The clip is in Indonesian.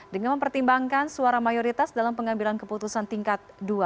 dengan mempertimbangkan suara mayoritas dalam pengambilan keputusan tingkat dua